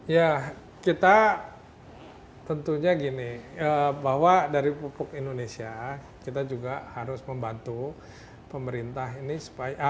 ya kita tentunya gini bahwa dari pupuk indonesia kita juga harus membantu pemerintah ini supaya